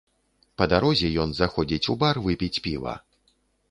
Па дарозе ён заходзіць у бар выпіць піва.